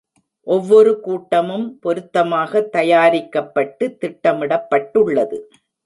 ஒவ்வொரு கூட்டமும் பொருத்தமாக தயாரிக்கப்பட்டு திட்டமிடப்பட்டுள்ளது.